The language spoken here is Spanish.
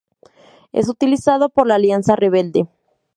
Es utilizado por la Alianza Rebelde.